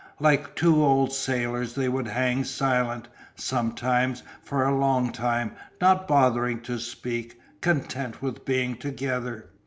Like two old sailors they would hang silent, sometimes, for a long time, not bothering to speak, content with being together.